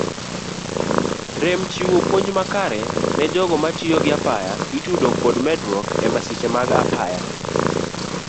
Rem chiwo puonj makare nejogo matiyo gi apaya itudo gi medruok emasiche mag apaya.